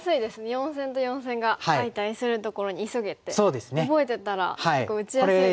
「四線と四線が相対するところに急げ！」って覚えてたら結構打ちやすいですよね。